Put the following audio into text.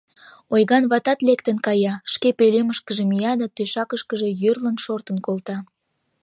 Ойган ватат лектын кая, шке пӧлемышкыже мия да, тӧшакышкыже йӧрлын, шортын колта.